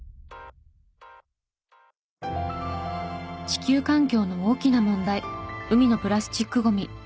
地球環境の大きな問題海のプラスチックごみ。